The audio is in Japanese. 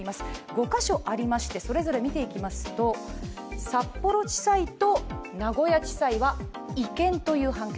５か所ありましてそれぞれ見ていきますと、札幌地裁と名古屋地裁は違憲という判決。